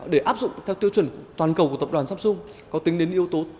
để áp dụng theo tiêu chuẩn toàn cầu của tập đoàn samsung có tính đến yếu tố